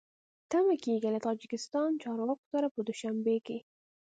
تمه کېږي له تاجکستاني چارواکو سره په دوشنبه کې